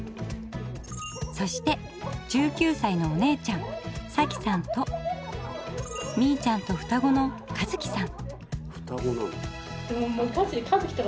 そして１９歳のお姉ちゃん早紀さんとみいちゃんと双子の一樹さん。